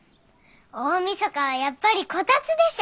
大みそかはやっぱりこたつでしょ！